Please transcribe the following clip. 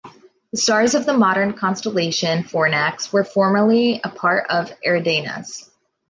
The stars of the modern constellation Fornax were formerly a part of Eridanus.